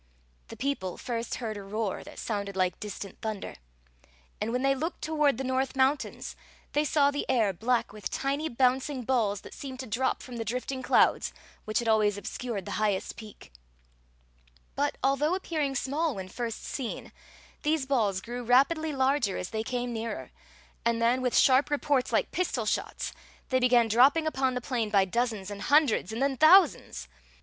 The people first heard a roar that sounded like distant thunder ; and when they looked toward the North Mountains diey saw the air black with tiny bouncing balls that seemed to drop from the drifting clouds which always had obscured the highest peak. Story of the Magic Cloak But, although appearing small when first seen, these balls grew rapidly larger as they came nearer; and then, with sharp reports like pistoUhots, they b^ian dropping upon the plain by doiens and hun dreds and then thousands.